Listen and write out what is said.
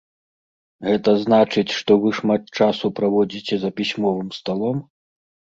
Гэта значыць, што вы шмат часу праводзіце за пісьмовым сталом?